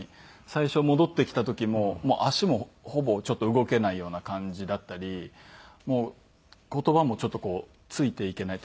最初戻ってきた時も足もほぼ動けないような感じだったり言葉もちょっとこうついていけない。